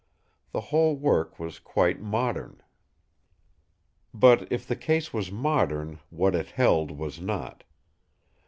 The whole work was quite modern. But if the case was modern what it held was not.